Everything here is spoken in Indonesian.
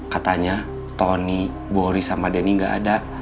katanya tony bori sama danny gak ada